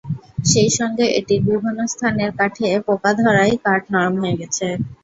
সেই সঙ্গে এটির বিভিন্ন স্থানের কাঠে পোকা ধরায় কাঠ নরম হয়ে গেছে।